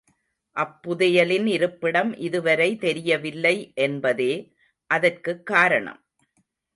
அப் புதையலின் இருப்பிடம் இதுவரை தெரியவில்லை என்பதே அதற்குக் காரணம்!